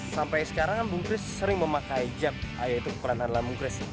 sampai sekarang bung chris sering memakai jab yaitu pukulan andalan bung chris